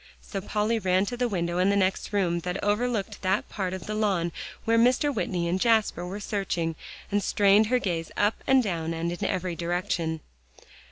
So Polly ran to the window in the next room that overlooked that part of the lawn where Mr. Whitney and Jasper were searching, and strained her gaze up and down, and in every direction.